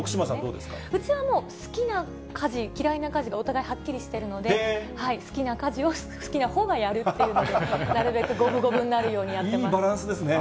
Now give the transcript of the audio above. うちはもう、好きな家事、嫌いな家事がお互いはっきりしているので、好きな家事を好きなほうがやるっていうので、なるべく五分五分にいいバランスですね。